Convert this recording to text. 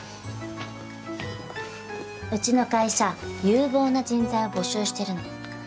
うちの会社有望な人材を募集してるの。